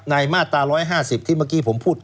มาตรา๑๕๐ที่เมื่อกี้ผมพูด